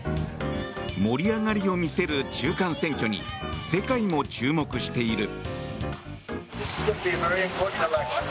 盛り上がりを見せる中間選挙に世界も注目している。